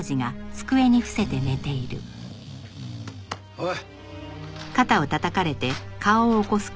おい。